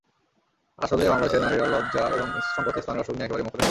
আসলে বাংলাদেশের নারীরা লজ্জা এবং সংকোচে স্তনের অসুখ নিয়ে একেবারেই মুখ খোলেন না।